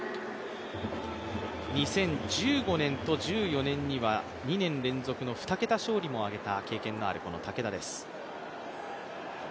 ２０１５年と１４年には２年連続の２桁勝利を挙げた経験もあるこの武田です。